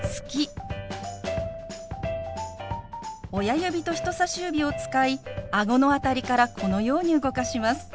親指と人さし指を使いあごの辺りからこのように動かします。